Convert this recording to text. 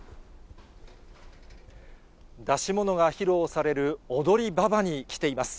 出し物が披露される踊馬場に来ています。